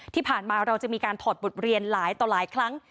ที่ผ่านมาเราจะมีการถอดบทเรียนหลายต่อหลายครั้ง